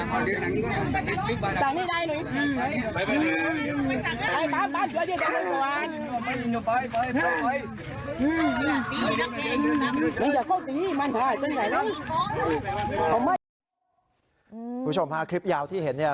คุณผู้ชมฮะคลิปยาวที่เห็นเนี่ย